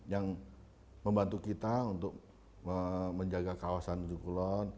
yang membantu kita untuk menjaga kawasan ujung kulon